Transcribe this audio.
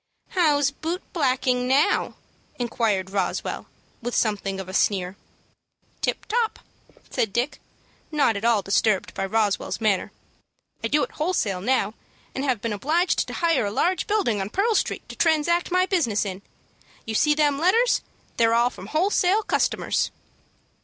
"How's boot blacking, now?" inquired Roswell, with something of a sneer. "Tip top," said Dick, not at all disturbed by Roswell's manner. "I do it wholesale now, and have been obliged to hire a large building on Pearl Street to transact my business in. You see them letters? They're all from wholesale customers."